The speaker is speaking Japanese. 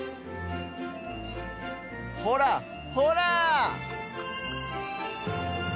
ほらほら！